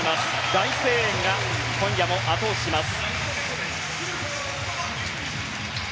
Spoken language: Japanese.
大声援が今夜も後押しします。